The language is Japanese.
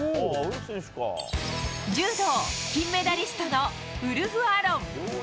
柔道金メダリストのウルフ・アロン。